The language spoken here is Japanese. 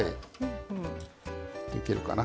いけるかな。